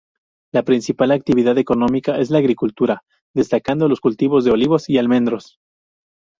La principal actividad económica es la agricultura, destacando los cultivos de olivos y almendros.